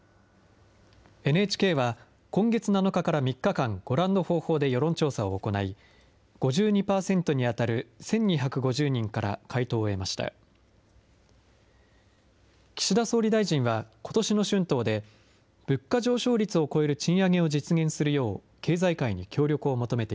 ＮＨＫは、今月７日から３日間、ご覧の方法で世論調査を行い、５２％に当たる１２５０人から回答を得ました。